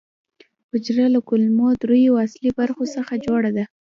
حجره له کومو درېیو اصلي برخو څخه جوړه ده